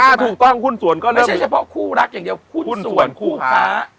ถ้าถูกต้องหุ้นส่วนก็เลยไม่ใช่เฉพาะคู่รักอย่างเดียวหุ้นส่วนคู่ค้า